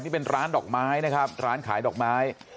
นี่เป็นร้านดอกไม้นะครับร้านขายดอกไม้